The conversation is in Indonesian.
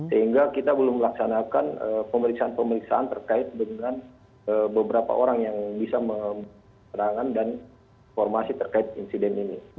sehingga kita belum melaksanakan pemeriksaan pemeriksaan terkait dengan beberapa orang yang bisa memberikan dan informasi terkait insiden ini